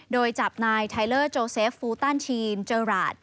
โดยจับนายไทเลอร์โจเซฟฟูตันทีนเจอร์ราช